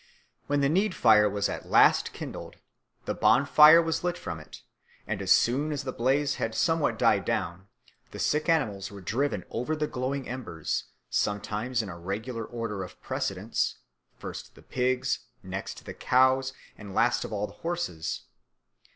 When the need fire was at last kindled, the bonfire was lit from it, and as soon as the blaze had somewhat died down, the sick animals were driven over the glowing embers, sometimes in a regular order of precedence, first the pigs, next the cows, and last of all the horses.